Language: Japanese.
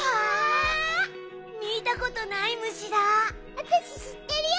あたししってるよ！